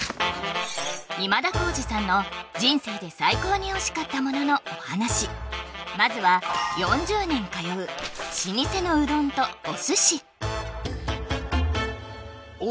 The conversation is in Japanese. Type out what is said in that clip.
今田耕司さんの人生で最高においしかったもののお話まずはふる里うどんっていう